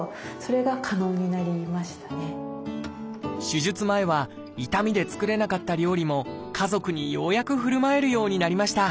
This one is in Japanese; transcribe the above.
手術前は痛みで作れなかった料理も家族にようやくふるまえるようになりました。